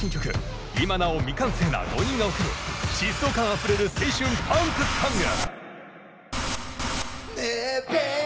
今なお未完成な５人が送る疾走感あふれる青春パンクソング！